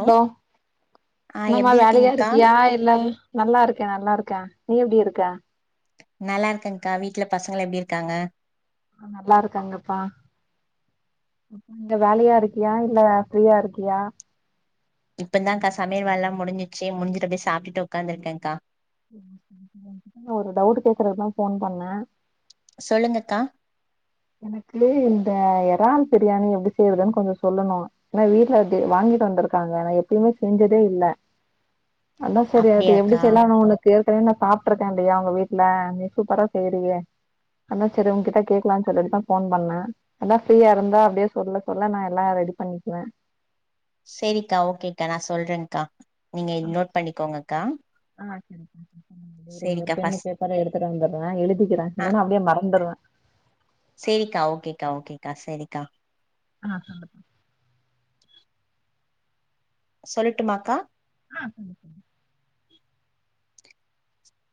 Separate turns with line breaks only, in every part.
hello
ஆ
என்னமா
எப்டி இருக்கீங்க்கா
வேலயாருக்கியா இல்ல நல்லாருக்கே நல்லாருக்கே நீ எப்டி இருக்க
நல்லாருக்கேக்கா வீட்ல பசங்கள்லா எப்டிருக்காங்க
நல்லாருக்காங்கப்பா [inaudible] வேலயாருக்கியா இல்ல ஃப்ரீயாருக்கியா
இப்பன்தாக்கா சமையல் வேல்லா முடின்சிச்சு முடுஞ்ச்ட்டு அப்டியே சாப்ட்டுட்டு ஒக்காந்துருக்கேக்கா
சேரி சேரி சேரி ஒன்கிட்ட நா ஒரு டவுட்டு கேக்றதுக்தா ஃபோன் பண்ணே
சொல்லுங்கக்கா
எனக்கு இந்த எறால் பிரியாணி எப்டி செய்றதுன் கொஞ்சொ சொல்லனு ஏனா வீட்ல அது வாங்கிட்டு வந்திருக்காங்க நா எப்பயுமே செஞ்சதே இல்ல அதா செரி அது எப்டி
அப்டியாக்கா
செய்லான் ஒன ஏற்கனவே நா சாப்ட்ருக்கே இல்லயா உங்க வீட்ல நீ சூப்பரா செய்றியே அதா செரி ஒன்கிட்ட கேக்லான் [unintelligible] ஃபோன் பண்ணே அதா ஃப்ரீயாருந்தா அப்டே சொல்ல சொல்ல நா எல்லா ரெடி பண்ணிக்குவே
சேரிக்கா ஓகேக்கா நா சொல்றேன்கா நீங்க இத்
ஆ
நோட் பண்ணிக்கோங்கக்கா
ஆ செரிப்பா [inaudible] இருங்க ஒரு
சேரிக்கா
பென்னு
ஃபஸ்ட்
பேப்பரு எடுத்துட்டு வந்துர்றே எழுதிக்குறே
ஆ
இல்லன்னா அப்டியே மறந்துருவே
சேரிக்கா ஓகேக்கா ஓகேக்கா செரிக்கா
ஆஹா
சொல்லடுமாக்கா
ஆ சரி சரி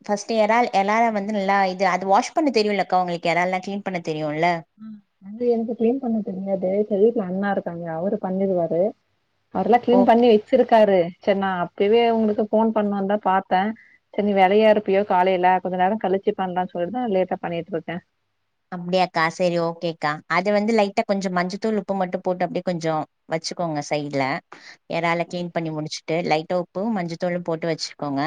ஃபர்ஸ்ட் யெரால் எல்லார வந்து நல்லா இது அது வாஷ் பண்ண தெரியுலக்கா உங்களுக்கு எறால்லா கிளீன் பண்ண தெரியுல
ஆ வந்து எனக்கு கிளீன் பண்ண தெரியாது இப்ப வீட்ல அண்ணா இருக்காங்க அவரு பண்ணிடுவாரு அவர் எல்லா கிளீன்
ஓகே
பண்ணி வெச்சிருக்காரு சரி நா அப்பவே உங்களுக்கு ஃபோன் பண்ணுந்தா பாத்தே சரி நீ வேலையா இருப்பியோ காலையில கொஞ்ச நேரம்ஓ களிச்சு பண்லா சொல்லிட்டுதா லேட்டா பண்ணிட்டு இருக்கே
அப்டியாக்கா சரி ஓகேக்கா அத வந்து லைட்டா கொஞ்சொ மஞ்சத்தூள் உப்பு மட்டு போட்டு அப்டியே கொஞ்சோ வச்சுக்கோங்க சைட்ல ஏறால கிளீன் பண்ணி முடிச்சுட்டு லைட்ட உப்பு மஞ்சத்தூளு போட்டு வச்சுக்கோங்க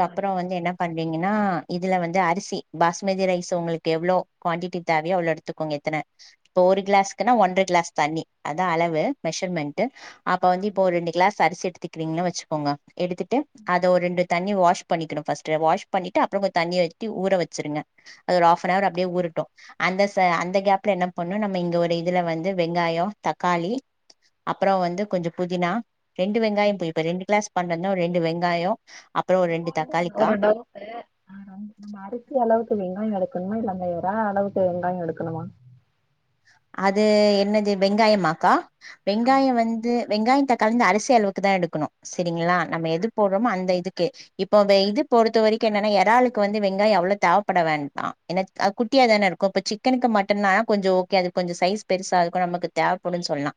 ஆ சரி
வந்து என்ன பண்றீங்கன்னா இதுல வந்து அரிசி பாஸ்மதி ரைஸ் உங்களுக்கு எவ்ளோ குவாண்டிட்டி தேவையோ அவ்ளோ எடுத்துகோங்க இத்தன இப்ப ஒரு கிளாஸ்க்குன்னா ஒன்ர கிளாஸ் தண்ணி அதா அளவு மெஷர்மெண்ட்டு அப்ப வந்து இப்போ ஒரு ரெண்டு கிளாஸ் அரிசி எடுத்துக்கிறீங்கன்னு வெச்சுக்கோங்க எடுத்துட்டு அத ஒரு ரெண்டு தண்ணி வாஷ் பண்ணிக்கணு ஃபர்ஸ்ட்டு வாஷ் பண்ணிட்டு அப்புற கொ தண்ணிய விட்டு ஊர வெச்சுருங்க அது ஒரு ஆஃப் அன் ஆர் அப்டியே ஊரு ட்டு அந்த ச அந்த கேப்ல என்ன பண்ணு நம்ம இங்க ஒரு இதுல வந்து வெங்காயோ தக்காளி அப்புறோ வந்து கொஞ்சொ புதினா ரெண்டு வெங்காய புயு இப்போ ரெண்டு கிளாஸ் பண்ணணு ரெண்டு வெங்காயொ
இப்போ இந்து ஒன்னு ஒரு டவுட்டு ஆ நம் நம்ம அரிசி அளவுக்கு வெங்காயொ எடுக்கணுமா இல்லா நம்ம ஏறா அளவுக்கு வெங்காயொ எடுக்கணுமா
அது என்னது வெங்காயமாக்கா வெங்காய
ஆமா
வந்து வெங்காய த கலந்து அரிசி அளவுக்கு தா எடுக்கணு சரிங்களா நம்ம எது போட்றோமோ அந்த இதுக்கு இப் இப்ப அது இது பொறுத்த வரைக்கு என்னன்னா எறாலுக்கு வந்து வெங்காயொ அவ்ளோ தேவப்பட வேண்டா என்ன அ குட்டியா தானே இருக்கு இப்ப சிக்கனுக்கு மட்டன்னா கொஞ்சோ கே அது கொஞ்சொ சைஸ் பெருசா இருக்கு நமக்கு தேவப்படுன் சொல்லா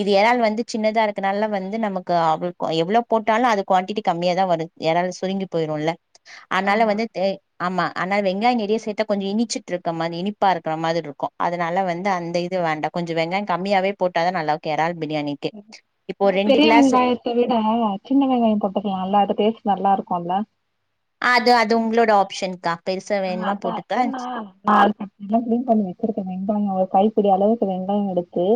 இது யரால் வந்து சின்னதா இருக்கனால வந்து நமக்கு அவள்கு எவ்ள போட்டாலு அது குவான்டிட்டி கம்மியா தா வரு யரால் சுருங்கி போயிருலல் அனால
ஆமா
வந்து எ ஆமா ஆனா வெங்காய நெறைய சேத்தா கொஞ்ச இனிச்சிட்டு இருக்க மாரி இனிப்பா இருக்குற மாதிரிருக்கு அதனால வந் து அந்த இது வேண்டா கொஞ்சொ வெங்காய கம்மியாவே போட்டாதா நல்லாக் எரால் பிரியாணி
இந்த பெரிய வெங்காய த்தவிட சின்ன வெங்காயொ போட்டுக்கலால்ல அது டேஸ்ட் நல்லாருக்குல்ல
அது அது உங்களோட ஆப்ஷன்கா
அ அதா ஏனா நா நல்லா கிளீன் பண்ணி வெச்சிருக்கே வெங்காயொ ஒரு கைப்பிடி அளவுக்கு வெங்காயொ எடுத்து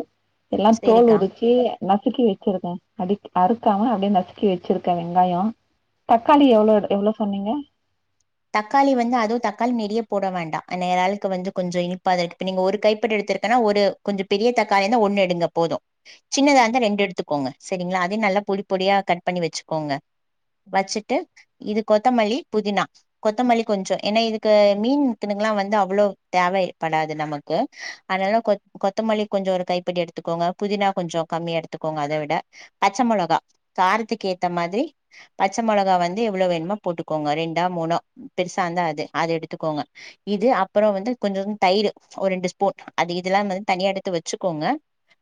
எல்லா தோல்
சேரிக்கா
உரிச்சு நசுக்கி வெச்சிருக்கே அடி அறுக்காம அப்டியே நசுக்கி வெச்சிருக்கே வெங்காயொ தக்காளி எவ்ளோ எவ்ளோ சொன்னீங்க
தக்காளி வந்து அதுவு தக்காளி நெறிய போட வேண்டா நேராளுக்கு வந்து கொஞ்சொ இனிப்பாதாருக் இப்ப நீங்க ஒரு கைப்பிடி எடுத்துருக் கனா ஒரு கொஞ்சொ பெரிய தக்காளினா ஒண்ணு எடுங்க போது சின்னதா இருந்தா ரெண்டு எடுத்துக்கோங்க சரிங்களா அதே நல்லா பொடி பொடியா கட் பண்ணி வெச்சுக்கோங்க வச்சுட்டு இது கொத்தமல்லி புதினா கொத்தமல்லி கொஞ்சொ ஏனா இதுக்கு மீன்துனுக்குல்லா வந்து அவ்ளோ தேவைப்படாது நமக் கு அனால கொ கொத்தமல்லி கொஞ்சொ ஒரு கைப்பிடி எடுத்துக்கோங்க புதினா கொஞ்சொ கம்மியா எடுத்துக்கோங்க அத விட பச்ச மொளகா காரத்துக்கேத்த மாதிரி பச்ச மொளகா வந்து எவ்ளோ வேணுமோ போட்டுக்கோங்க ரெண்டா மூணோ பெருசா இருந்தா அது அது எடுத்துக்கோங்க இது அப்றோ வந்து கொஞ்சோ வந்து தயிரு ஒரு ரெண்டு ஸ்பூன் அது இதெலா வந்து தனியா எடுத்து வச்சுக்கோங்க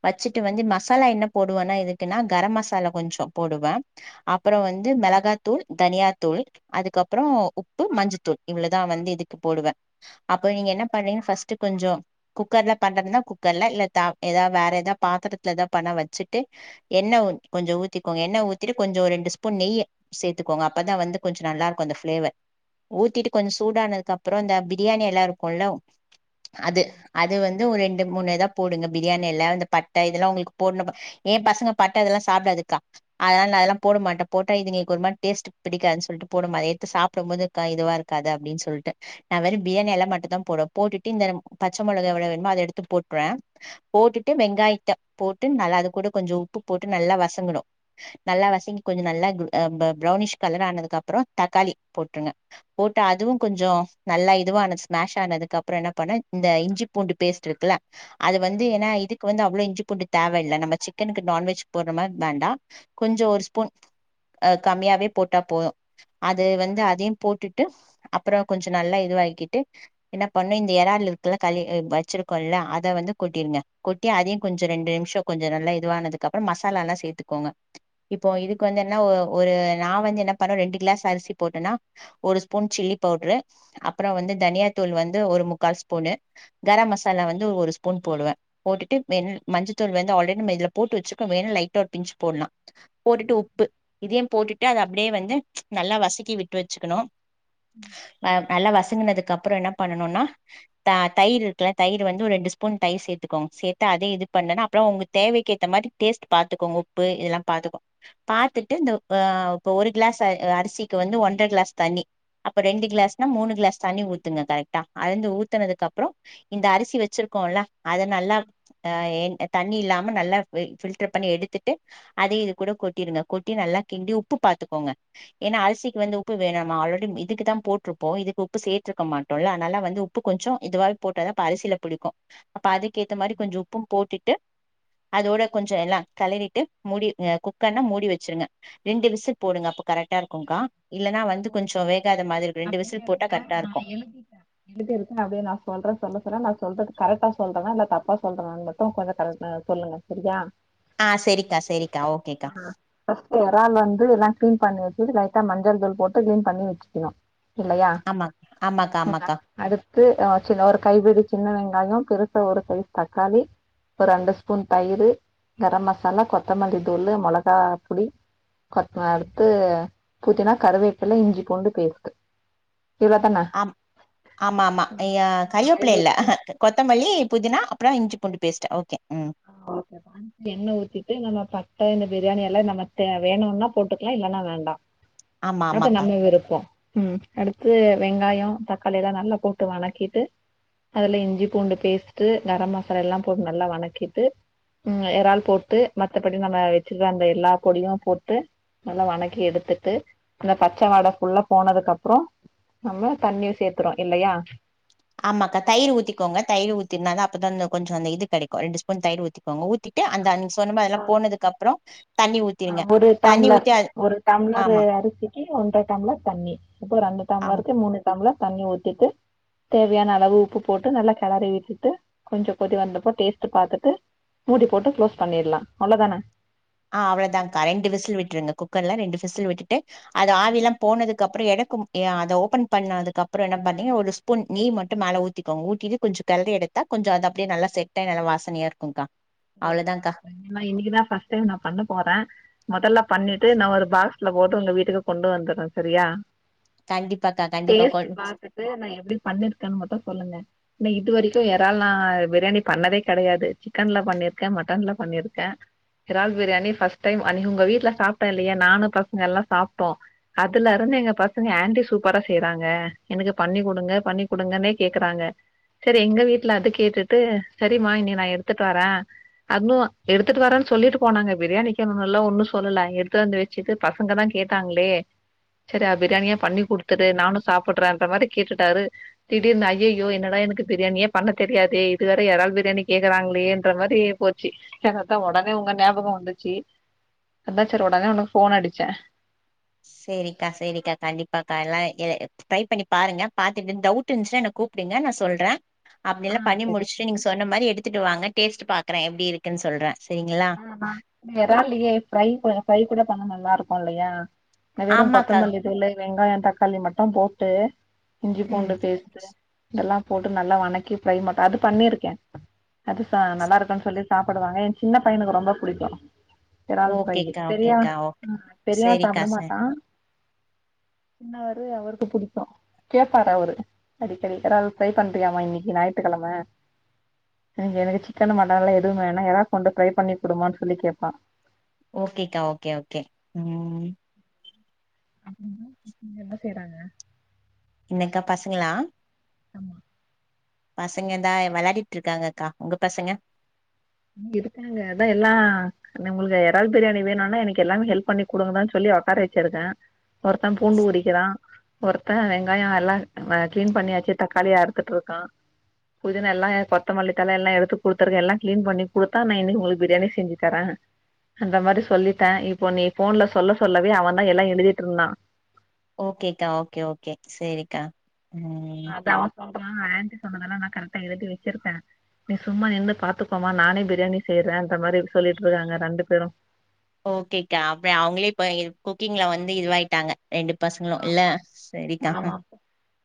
வச்சுட்டு வந்து மசாலா என்ன போடுவேனா இதுக்குன்னா கரம் மசாலா கொஞ்சோ போடுவே அப்றோ வந்து மிளகா தூள் தனியா தூள் அதுக்கப்றோ உப் பு மஞ்சத்தூள் இவ்ளோதா வந்து இதுக்கு போடுவே அப்போ நீங்க என்ன பண்றீங்க ஃபஸ்ட்டு கொஞ்சோ குக்கர்ல பண்றதுனா குக்கர்ல இல்ல த ஏதா வேற ஏதா பாத்திரத்துல ஏதா பண்ணா வச்சுட்டு எண்ணெ கொஞ்சோ ஊத்திக்கோங்க எண்ணெ ஊத்திட்டு கொஞ்சோ ரெண்டு ஸ்பூன் நெய்யு சேத்துக்கோங்க அப்பதா வந்து கொஞ்சொ நல்லாருக்கு அந்த ஃபிளேவர் ஊத்திட்டு கொஞ்சொ சூடானதுக்கப்றொ இந்த பிரியாணி எல்லா இருக்குல்ல அது அது வந்து ஒரு ரெண் டு மூணு இதா போடுங்க பிரியாணி எல இந்த பட்ட இதெல்லா ஒங்களுக்கு போடு ஏ பசங்க பட்ட இதெல்லா சாப்டாதுக்கா அதனால போடமாட்டே போட்டா இதுங்க ஒருமாரி டேஸ்ட்டு பிடிக்காது சொல்ட்டு போடமாட்டே அத எடுத்து சாப்டுபோது க்க இதுவா இருக்காது அப்டின்னு சொல்ட்டு நா வெறும் பிரியாணி எல மட்டுதா போடுவே போட்டுட்டு இந்த பச்ச மொளக எவ்ளவு வேணுமோ அத எடுத்து போட்ருவே போட்டுட்டு வெங்காயத்த போட்டு நல்லா அது கூட கொஞ்சொ உப்பு போட்டு நல்லா வசங்ணு நல்லா வசங்கி கொஞ்சொ நல்லா கு அ ப பிரவ்னிஷ் கலர் ஆனதுக்கப்றொ தக்காளி போட்ருவே போட்ட அதுவு கொஞ்சொ நல்லா இதுவான ஸ்மாஷ் ஆனதுக்கு அப்றொ என்ன பண்வே இந்த இஞ்சி பூண்டு பேஸ்ட் இருக்குல்ல அது வந்து ஏனா இதுக்கு வந்து அவ்ளோ இஞ்சி பூண்டு தேவ இல்ல நம்ம சிக்கனுக்கு நான்வெஜ் போடுற மாரி வேண்டா கொஞ்சொ ஒரு ஸ்பூன் அ கம்மியாவே போட்டா போது அது வந்து அதயு போட்டுட்டு அப்றொ கொஞ்சொ நல்லா இதுவாக்கிட்டு என்ன பண்ணு இந்த எறால் இருக்குல களி வச்சிருக்கோல்ல அத வந்து கொட்டிருங்க கொட் டி அதயு கொஞ்சொ ரெண்டு நிமிஷொ கொஞ்சொ நல்லா இதுவானதுக்கப்பறொ மசாலாலா சேத்துக்கோங்க இப்போ இதுக்கு வந்து என்னா ஒரு நா வந்து என்ன பண்வே ரெண்டு கிளாஸ் அரிசி போட்டனா ஒரு ஸ்பூன் சில்லி பவுட்ரு அப்றொ வந்து தனியா தூள் வந்து ஒரு முக்கால் ஸ்பூனு கரம் மசாலா வந்து ஒரு ஸ்பூன் போடுவே போட்டுட்டு வென் மஞ்சள் தூள் வந்து ஆல்ரெடி இதுல போட்டு வச்சுக்கோ வேணுனா லைட்டா ஒரு பிஞ்ச் போட்லா போட்டுட்டு உப்பு இதயு போட்டுட்டு அத அப்டியே வந்து நல்லா வசக்கி விட் ட்டு வச்சுக்கணூ அ நல்லா வசங்கினதுக்கப்றொ என்ன பண்ணனுனா த தயிரு இருக்குல தயிரு வந்து ரெண்டு ஸ்பூன் தயிர் சேத்துக்கோங்க சேத்து அதே இது பண்ணனா அப்றொ ஒங்க தேவைக்கு ஏத்த மாரி டேஸ்ட் பாத்துக்கோங்க உப்பு இதெலா பாத்துக்கோ பாத்துட்டு இந்த அ இப்ப ஒரு கிளாஸ் அ அரிசிக்கு வந்து ஒன் ற க்ளாஸ் தண்ணி அப்ப ரெண்டு க்ளாஸ்னா மூணு க்ளாஸ் தண்ணி ஊத்துங்க கரெக்டா அளந்து ஊத்தனதுக்கப்றோ இந்த அரிசி வச்சிருக்கோல்ல அத நல்லா அ என் தண்ணி இல்லாம நல்லா ஃபில்டர் பண்ணி எடுத்துட்டு அதே இது கூட கொட்டிருங்க கொட்டி நல்லா கிண்டி உப்பு பாத்துக்கோங்க ஏன்னா அரிசிக் வந்து உப்பு வேணாமா ஆல்ரெடி இதுக்கு தா போட்ருபோ இதுகு உப்பு சேட்ருக்க மாட்டோல்ல அனால வந்து உப்பு கொஞ்சோ இதுவா போட்டதா இப்ப அரிசில புடிக்கு அப்ப அதுக்கேத்த மாரி கொஞ்ச உப்பும் போட்டுட்டு அதோட கொஞ்சோ எல்லா கெளறிட்டு மூடிருங்க குக்கர்ல மூடி வச்ருங்க ரெண்டு விசில் போடுங்க அப்ப கரெட்டாருக்குகா இல்லனா வந்து கொஞ்சோ வேகாத மாதிரி ரெண்டு விசில் போட்டா கரெட்டாருக்கு
எங்கிட்ட இருக்கு நா அப்டியே நா சொல்ற சொல்ல சொல்ல நா சொல்றது கரெட்டா சொல்றானா இல்ல தப்பா சொல்றானானு ம [unintelligible] கொஞ்ச [unintelligible] சொல்லுங்க சரியா
ஆ செரிக்கா செரிக்கா ஓகேக்கா
ஃபஸ்ட்டு எறால் வந்து எல்லா கிளீன் பண்ணி வெச்சுட்டு லைட்டா மஞ்சள் தூள் போட்டு கிளீன் பண்ணி வெச்சுக்கணு இல்லையா
ஆமா ஆமாக்கா ஆமாக்கா
அடுத்து அ சின்ன ஒரு கைபிடி சின்ன வெங்காயொ பெருசா ஒரு சைஸ் தக்காளி ஒரு ரெண்டு ஸ்பூன் தயிரு கரம் மசாலா கொத்தமல்லி தூளு மிளகா புடி கொத்த அடுத்து பூதினா கருவேப்பில்லா இஞ்சி பூண்டு பேஸ்ட்டு இவ்ளோ தானா
அம் ஆமா ஆமா
ஆயில்
கறிவேப்ல இல்ல
ஊத்தி
கொத்தமல்லி புதினா அப்றோ இஞ்சி பூண்டு பேஸ்ட் ஓகே ம்
[unintelligible] எண்ண ஊத்திட்டு நம்ம பட்ட இந்த பிரியாணி எல நம்ம தே வேணுனா போட்டுக்லா இல்லன்னா வேண்டா
ஆமா
அது
ஆமாக்கா
நம்ம விருப்போ ம் அடுத்து வெங்காயோ தக்காளில்லா நல்லா போட்டு வணக்கிட்டு அதுல இஞ்சி பூண்டு பேஸ்ட்டு கர மசாலால்லா போட்டு நல்லா வனக்கிட் டு ம் எறால் போட்டு மத்தபடி நம்ம வெச்சுக்ற அந்த எல்லா பொடியு போட்டு நல்லா வணக்கி எடுத்துட்டு அந்த பச்ச வாட ஃபுல்லா போனதுக் அப்றோ நம்ம தண்ணியு சேத்துர்றோ இல்லயா
ஆமாக்கா தயிர் ஊத்திக்கோங்க தயிர் ஊத்தினாத அப்பதா அந்த கொஞ்ச அந்த இது கெடைக்கு ரெண்டு ஸ்பூன் தயிர் ஊத்திக்கோங்க ஊத்தி டு அந்த அன்னிக் சொன்னமாரிலா போனதுக்கப்றோ
அ ஒரே டம்ளர் ஒரு டம்ளர்
ஆமா
அரிசிக்கு ஒன்ற டம்ளர் தண்ணி இப்போ ரெண்டு
ஆமா
டம்ளருக்கு மூணு டம்ளர் தண்ணி ஊத்திட்டு தேவையான அளவு உப்பு போட்டு நல்லா கெளறி விட்டுட்டு கொஞ்ச கொதி வந்தப்போ டேஸ்ட் பாத்துட்டு மூடி போட்டு க்ளோஸ் பண்ணிட்லா அவ்ளோதானே
அ அவ்ளதா கா ரெண்டு விசில் விட்டுருங்க குக்கர்ல ரெண்டு விசில் விட் டு அது ஆவி எல்லா
ஓகே
போனதுக்கு அப்றோ எடுக்கு ஏ அத ஓப்பன் பண்ணதுகப்றோ என்ன பண்ணீங்க ஒரு ஸ்பூன் நெய் மட்டு மேல ஊத்திக்கோங்க ஊத்திட்டு கொஞ்ச கெளறி எடுத் தா கொஞ்சோ அது அப்டியே நல்லா செட்டாயி நல்ல வாசனயா இருக்குகா
நா இன்னைக்குதா ஃபஸ்ட் டைம் நா பண்ண போறே மொதல்ல பண்ணிட்டு நா ஒரு பாக்ஸ்ல போட்டு உங்க வீட்டுக்கு கொண்டு வந்தற்றே சரியா
கண்டிப்பாக்கா கண்டிப்பா கொ
டேஸ்ட் பாத்துட்டு நா எப்டி பண்ணிருக்கேன்னு மட்டு சொல்லுங்க நா இது வரைக்கு எறால்ல நா பிரியாணி பண்ணதே கெடையாது சிக்கன்ல பண்ணிர்க்கே மட்டன்ல பண்ணிர்க்கே எறால் பிரியாணி ஃபஸ்ட் டைம் அன்னிக்கு உங்க வீட்ல சாப்ட்டோ இல்லையா நானு பசங்க எல்லா சாப்ட்டோ அதுலருந்து எங்க பசங்க ஆன்டி சூப்பரா செய்றாங்க எனக்கு பண்ணி குடுங்க பண்ணி குடுங்கன்னே கேக்குறாங்க சரி எங்க வீட்ல அது கேட்டுட்டு சரிமா இனி நா எடுத்துட்வரே அதுவு எடுத்துட்டு வரே சொல்லிட்டு போனாங்க பிரியாணிக்குன்னுல்லா சொல்லல எடுத்து வந்து வெ சிக்கு பசங்க தா கேட்டாங்களே செரி அபிராமிய பண்ணி குடுத்துட்டு நானு சாப்புட்றேன்ற மாதிரி கேட்டுட்டாரு திடீர்னு ஐய்யையோ என்னடா எனக்கு பிரியாணியே பண்ண தெரியாதே இது வேற எறால் பிரியணி கேக்கறாங்க ளேன்ற மாரி போச்சி அத்தா உடனே உங்க ஞாபகம் வந்துச்சி அதா செரி உடனே உனக்கு போன் அடிச்சே
செரிக்கா செரிக்கா கண்டிப்பாக்கா எல்லா ட்ரை பண்ணி பாருங்க பாத்துட்டு டவுட் டு இந்துச்சுான கூப்டுங்க நா சொல்ற அப்படி
ஆ
எல்லா பண்ணி
சரி
முடிச்சுட்டு நீங்க சொன்ன மாரி எடுத்துட்டு வாங்க டேஸ்ட் பாக்குற எப்டி இருக்குன்னு சொல்ற சரிங்களா
அதா எறாலையே ப்ரை கூட பண்ண நல்லா இருக்கு இல்லையா வெறு
ஆமாக்கா
கொத்தமல்லி தூளு வெங்காயம் தக்காளி மட்டு போட்டு இஞ்சி
ம்
பூண்டு பேஸ்ட்டு எல்லா போட்டு நல்லா வணக்கி ஃப்ரை மாட்டு அது பண்ணியிருக்கே அது ச நல்லா இருக்குன்னு சொல்லி சாப்புடுவாங்க எ சின்ன பையனுக்கு ரொம்ப புடிக்கு எறால் ஃப்ரையி
ஓகேக்கா
பெரியாவ
ஓகேக்கா ஓ
பெரியாவ
சேரிக்கா
சாப்பட
சே
மாட்டா சின்னவரு அவருக்கு புடிக்கு கேப்பாரு அவுரு அடிக்கடி எறால் ஃப்ரை பண்றியாமா இன்னிக்கு ஞாயித்துக்கெழம நீங்க எனுக்கு சிக்கன் மட்டன் எல்லா எதுவு வேணா எறா கொண்டு ஃப்ரை பண்ணி குடுமான்னு சொல்லி கேப்பா
ஓகேக்கா ஓகே ஓகே ம்
அப்டின்னா பசங்க என்ன செய்றாங்க
என்னக்கா பசங்களா
ஆமா
பசங்க இந்தா வெளாடிட்டு இருக்காங்க அக்கா உங்க பசங்க
இருக்காங்க அதா எல்லா ந உங்களுக்கு எறால் பிரியாணி வேணுனா எனக்கு எல்லாமே ஹெல்ப் பண்ணி குடுங்கடான்னு சொல்லி உக்கார வெச்சிருக்கே ஒருத்த பூண்டு உறிக்கறா ஒருத்த வெங்காயோ எல்லா கிளீன் பண்ணியாச்சு தக்காளியா அறுத்துட்டு ருக்கா புதினா எல்லா கொத்தமல்லித்தல எல்லா எடுத்து குடுத்துருக்க எல்லா கிளீன் பண்ணி கொடுத்தா நா இன்னிக்கு உங்களுக்கு பிரியாணி செஞ்சி தர அந்த மாரி சொல்லிட்டே இப்போ நீ போன்ல சொல்ல சொல்லவே அவன் தா எல்லா எழுதிட்டு இருந்தா
ஓகேக்கா ஓகே ஓகே செரிக்கா
அதா அவ சொல்றா ஆண்டி சொன்னதெல்லா நா கரெக்டா எழுதி வெச்சிருக்கே நீ சும்மா நின்னு பாத்துக்கோமா நானே பிரியாணி செய்யறேன்ற மாரி சொல்லிட்டு இருக்காங்க ரெண்டு பேரும்
ஓகேக்கா அப்ப அவங்களே இப்ப குக்கிங்ல வந்து இதுவாயிட்டாங்க ரெண்டு பசங்களு இல்ல செரிக்கா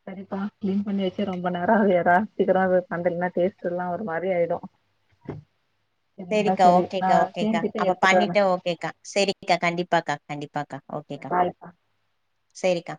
செரிப்பா கிளீன் பண்ணி வெச்சி ரொம்ப நேரோ அவுது எறா சீக்கிர அது பண்லனா டேஸ்ட் எல்லா ஒரு மாரி ஆயிடு சரிங்களா
செரிக்கா
சரி நா
ஓகேக்கா ஓகேக்கா
சேந்துட்டு
அப்ப
எடுத்துட்டு வரே
பண்ணிட்டு ஓ க்கா செரிக்கா கண்டிப்பாக்கா கண்டிப்பாக்கா
ஓகே
ஓகேக்கா
பாய்ப்பா
செரிக்கா